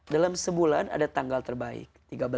dalam sebulan ada tanggal terbaik